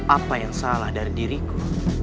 apa yang salah dari diriku